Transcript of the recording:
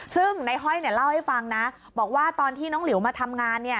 ซึ่งในห้อยเนี่ยเล่าให้ฟังนะบอกว่าตอนที่น้องหลิวมาทำงานเนี่ย